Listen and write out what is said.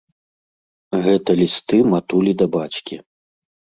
Гэта лісты матулі да бацькі.